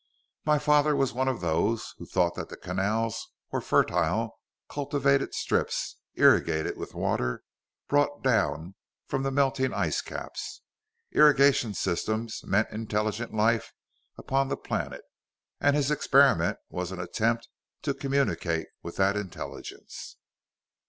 "My father was one of those who thought that the canals were fertile, cultivated strips, irrigated with water brought down from the melting ice caps. Irrigation systems meant intelligent life upon the planet, and his experiment was an attempt to communicate with that intelligence."